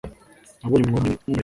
Nabonye umwobo munini nkumuheto